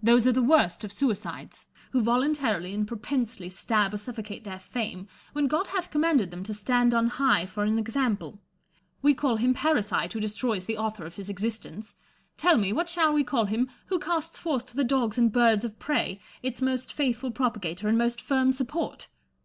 Those are the worst of suicides, who voluntarily and propensely stab or suffocate their fame, when God hath commanded them to stand on high for an example. "We call him parricide who destroys the author of his existence : tell me, what shall we call him who casts forth to the dogs and birds of prey its most faithful propagator and most firm support